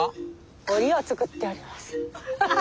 おりを作っております！